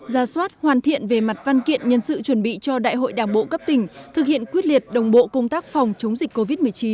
ra soát hoàn thiện về mặt văn kiện nhân sự chuẩn bị cho đại hội đảng bộ cấp tỉnh thực hiện quyết liệt đồng bộ công tác phòng chống dịch covid một mươi chín